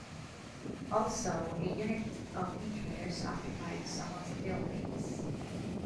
Also, a unit of engineers occupied some of the buildings.